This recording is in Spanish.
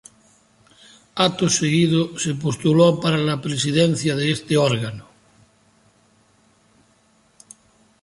Acto seguido, se postuló para la presidencia de ese órgano.